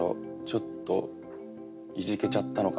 ちょっといじけちゃったのかな？